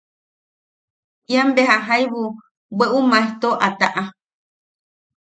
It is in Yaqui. Ian beja jaibu bweʼu maejto, a taʼa.